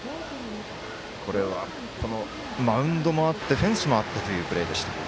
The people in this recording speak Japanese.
マウンドもあってフェンスもあってというプレーでした。